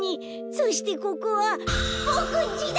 そしてここはボクんちだ！